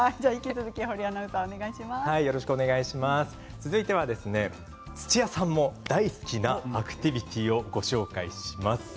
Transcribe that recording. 続いては土屋さんも大好きなアクティビティーをご紹介します。